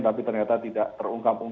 tapi ternyata tidak terungkap orang lain